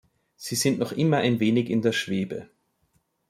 Sie sind immer noch ein wenig in der Schwebe.